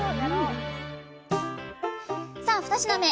さあ二品目